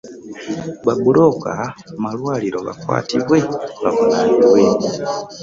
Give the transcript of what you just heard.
Ba bbulooka malwaliro bakwatibwe bavunanibwe.